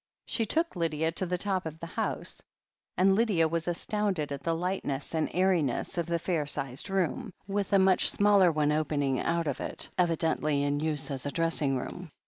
She took Lydia to the top of the house, and Lydia was astounded at the lightness and airiness of the fair sized room, with a much smaller one opening out of it, evidently in use as a dressing room.